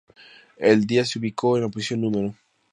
El disco se ubicó en la posición No.